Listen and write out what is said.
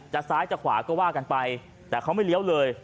ซ้ายจะขวาก็ว่ากันไปแต่เขาไม่เลี้ยวเลย